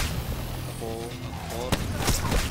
Ka paw a ka pawrh.